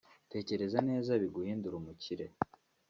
“Tekereza neza biguhindure Umukire”